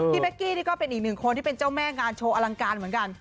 เป๊กกี้นี่ก็เป็นอีกหนึ่งคนที่เป็นเจ้าแม่งานโชว์อลังการเหมือนกัน